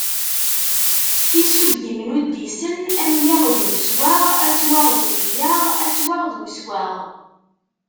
Isuddimen uddisen:amyaɣ d uswaɣ aswaɣ d umyaɣ, attwaɣ d uswaɣ.